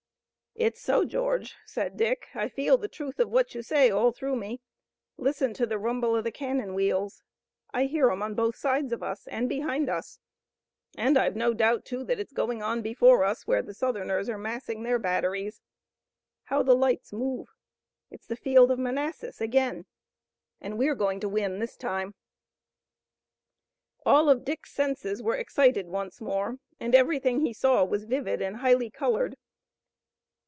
"It's so, George," said Dick, "I feel the truth of what you say all through me. Listen to the rumble of the cannon wheels! I hear 'em on both sides of us, and behind us, and I've no doubt, too, that it's going on before us, where the Southerners are massing their batteries. How the lights move! It's the field of Manassas again, and we're going to win this time!" All of Dick's senses were excited once more, and everything he saw was vivid and highly colored.